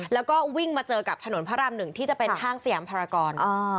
แล้วก็วิ่งมาเจอกับถนนพระรามหนึ่งที่จะเป็นห้างสยามภารกร